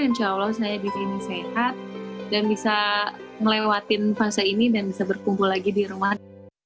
insya allah saya di sini sehat dan bisa melewati fase ini dan bisa berkumpul lagi di rumah